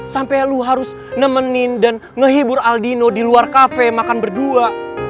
sampai lu harus nemenin dan ngehibur aldino di luar kafe makan berdua